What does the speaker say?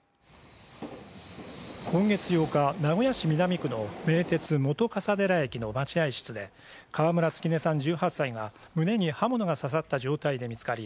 今月８日、名古屋市南区の名鉄本笠寺駅の待合室で川村月音さん１８歳が胸に刃物が刺さった状態で見つかり